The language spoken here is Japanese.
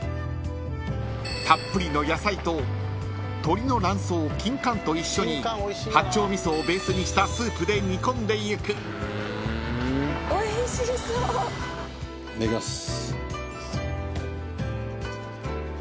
［たっぷりの野菜と鶏の卵巣キンカンと一緒に八丁味噌をベースにしたスープで煮込んでいく］いただきます。